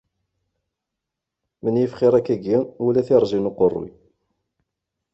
Menyif xiṛ akkagi wala tirẓi n uqerru.